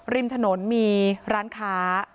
ริมถนนมีร้านค้า